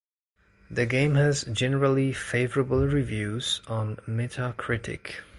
The game has "generally favorable reviews" on Metacritic.